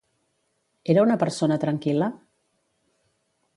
Era una persona tranquil·la?